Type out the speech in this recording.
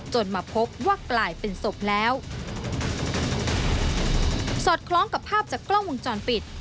มาพบว่ากลายเป็นศพแล้วสอดคล้องกับภาพจากกล้องวงจรปิด